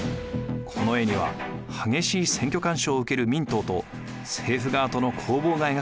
この絵には激しい選挙干渉を受ける民党と政府側との攻防が描かれています。